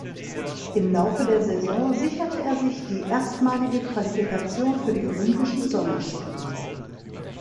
Im Laufe der Saison sicherte er sich die erstmalige Qualifikation für die Olympischen Sommerspiele.